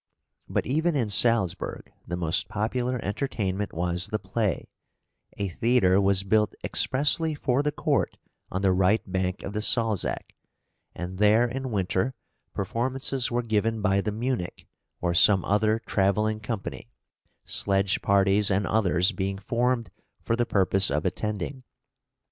But even in Salzburg the most popular entertainment was the play; a theatre was built expressly for the court on the right bank of the Salzach, and there in winter performances were given by the Munich or some other travelling company, sledge parties and others being formed for the purpose of attending.